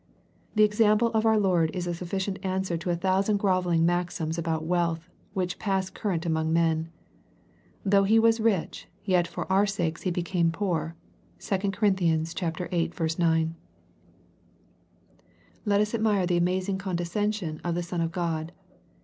The example of our Lord is a sufficient answer to a thousand grovelling maxims about wealth, which pass current among men. '^ Though He was rich, yet for our sakes He became poor.'' (2 Cor. viii. 9.) Let us admire the amazing condescension of the Son of God.